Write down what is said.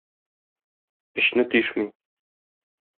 Эчне тишми.